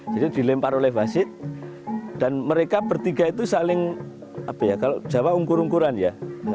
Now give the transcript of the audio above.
jadi dilempar oleh wasit dan mereka bertiga itu saling apa ya kalau jawa ungkur ungkuran ya